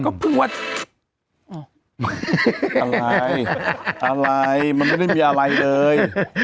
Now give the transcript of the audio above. คือไม่ได้มีอะไรเลย